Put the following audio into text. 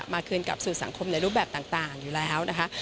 คืนกลับสู่สังคมในรูปแบบต่างอยู่แล้วนะคะ